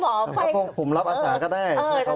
ไม่น่าจะบอกผมรับอาสาก็ได้